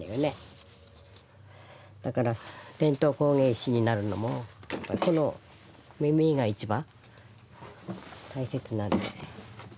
だから伝統工芸士になるのもこのみみが一番大切なんで。